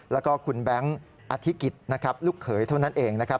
แล้วก็คุณแบงค์อธิกิจนะครับลูกเขยเท่านั้นเองนะครับ